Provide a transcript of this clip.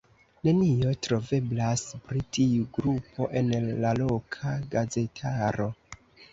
Nenio troveblas pri tiu grupo en la loka gazetaro.